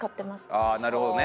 ああなるほどね。